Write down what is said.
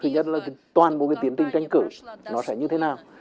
nên là toàn bộ tiến tinh tranh cử nó sẽ như thế nào